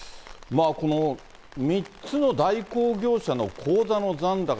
この３つの代行業者の口座の残高